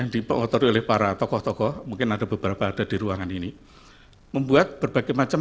dipotori oleh para tokoh tokoh mungkin ada beberapa ada di ruangan ini membuat berbagai macam